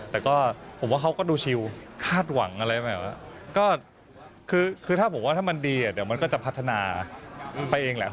แต่ก็ผมว่าเขาก็ดูชิลคาดหวังอะไรแบบว่าก็คือถ้าผมว่าถ้ามันดีเดี๋ยวมันก็จะพัฒนาไปเองแหละ